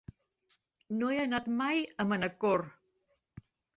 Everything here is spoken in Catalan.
No he anat mai a Manacor.